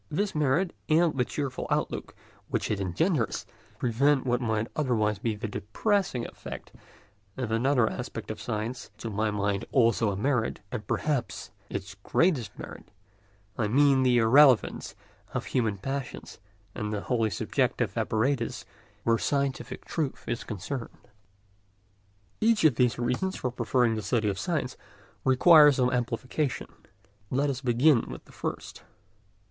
This merit and the cheerful outlook which it engenders prevent what might otherwise be the depressing effect of another aspect of science, to my mind also a merit, and perhaps its greatest merit—I mean the irrelevance of human passions and of the whole subjective apparatus where scientific truth is concerned. Each of these reasons for preferring the study of science requires some amplification. Let us begin with the first.